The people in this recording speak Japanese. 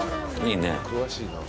いいね。